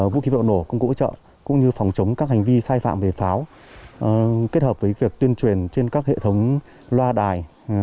vũ khí vật liệu nổ công cụ hỗ trợ cũng như phòng chống các hành vi sai phạm về pháo kết hợp với việc tuyên truyền trên các hệ thống loa đài